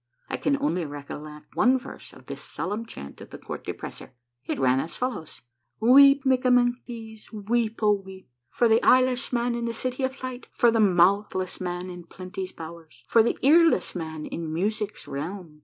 I can only recollect one verse of this solemn chant of the Court Depressor. It ran as follows :—" Weep, Mikkamenkies, weep, O weep. For the eyeless man in the City of Light, For the mouthless man in Plenty's bowers. For the earless man in Music's realm.